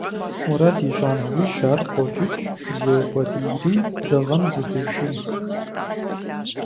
Мурад ищӀа нэужь, ар къокӀыкӀ, зеукъуэдийри дыгъэм зыхуеший.